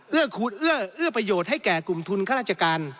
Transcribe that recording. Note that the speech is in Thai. ขูดเอื้อเอื้อประโยชน์ให้แก่กลุ่มทุนข้าราชการ